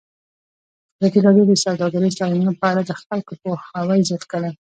ازادي راډیو د سوداګریز تړونونه په اړه د خلکو پوهاوی زیات کړی.